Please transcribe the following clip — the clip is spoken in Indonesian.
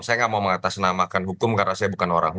saya nggak mau mengatasnamakan hukum karena saya bukan orang hukum